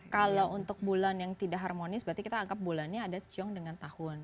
kalau untuk bulan yang tidak harmonis berarti kita anggap bulannya ada ciong dengan tahun